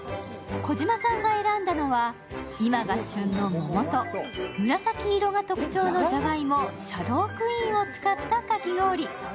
児嶋さんが選んだのは今が旬の桃と紫色が特徴のじゃがいも、シャドークイーンを使ったかき氷。